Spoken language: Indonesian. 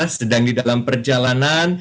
sedang di dalam perjalanan